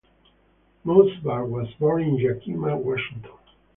Mosebar was born in Yakima, Washington.